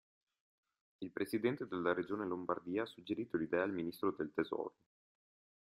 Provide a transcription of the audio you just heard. Il presidente della regione Lombardia ha suggerito l'idea al Ministro del tesoro.